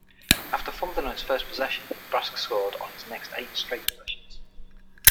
After fumbling on its first possession, Nebraska scored on its next eight straight possessions.